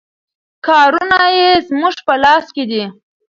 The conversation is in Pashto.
کارونه یې زموږ په لاس کې دي.